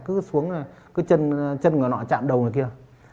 cứ xuống là chân chạm đầu này kia